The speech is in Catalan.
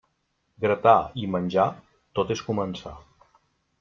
Gratar i menjar, tot és començar.